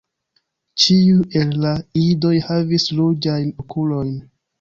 Ĉiuj el la idoj havis ruĝajn okulojn.